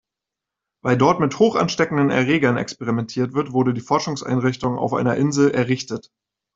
Weil dort mit hochansteckenden Erregern experimentiert wird, wurde die Forschungseinrichtung auf einer Insel errichtet.